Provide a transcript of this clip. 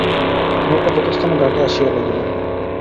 নৌকা যথাস্থানে ঘাটে আসিয়া লাগিল।